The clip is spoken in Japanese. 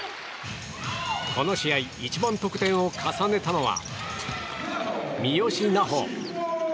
この試合、一番得点を重ねたのは三好南穂。